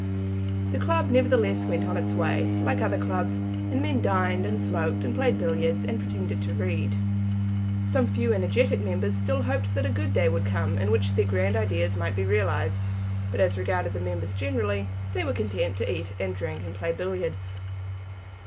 The club, nevertheless, went on its way, like other clubs, and men dined and smoked and played billiards and pretended to read. Some few energetic members still hoped that a good day would come in which their grand ideas might be realised, but as regarded the members generally, they were content to eat and drink and play billiards.